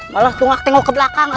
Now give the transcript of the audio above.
malah tengok tengok ke belakang